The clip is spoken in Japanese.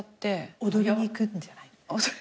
踊りに行くんじゃない？